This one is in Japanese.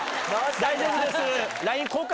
大丈夫です。